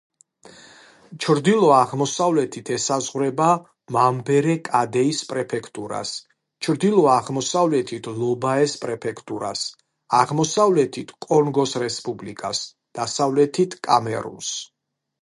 ჩრდილო-დასავლეთით ესაზღვრება მამბერე-კადეის პრეფექტურას, ჩრდილო-აღმოსავლეთით ლობაეს პრეფექტურას, აღმოსავლეთით კონგოს რესპუბლიკას, დასავლეთით კამერუნს.